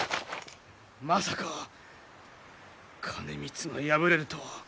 まさか兼光が敗れるとは。